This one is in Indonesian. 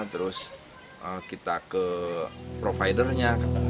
terus kita ke providernya